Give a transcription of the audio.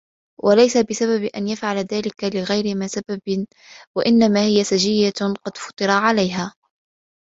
وَلَيْسَ بِسَبَبٍ أَنْ يَفْعَلَ ذَلِكَ لِغَيْرِ مَا سَبَبٍ وَإِنَّمَا هِيَ سَجِيَّةٌ قَدْ فُطِرَ عَلَيْهَا